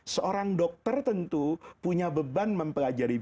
seorang dokter tentu punya beban mempelajari